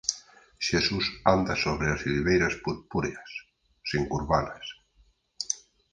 Xesús anda sobre as silveiras purpúreas, sen curvalas